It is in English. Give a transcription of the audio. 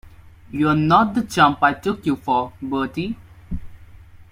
You're not the chump I took you for, Bertie.